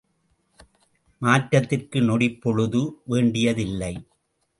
மாற்றத்திற்கு நொடிப்பொழுது வேண்டியதில்லை.